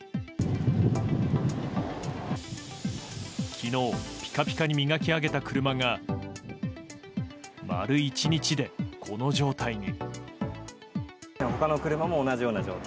昨日、ピカピカに磨き上げた車が丸１日で、この状態に。